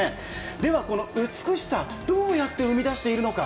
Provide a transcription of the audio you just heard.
では、この美しさ、どうやって生み出しているのか？